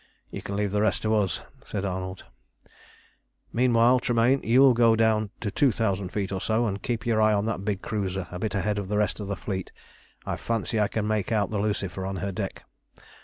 You can leave the rest to us," said Arnold. "Meanwhile, Tremayne, will you go down to two thousand feet or so, and keep your eye on that big cruiser a bit ahead of the rest of the fleet. I fancy I can make out the Lucifer on her deck.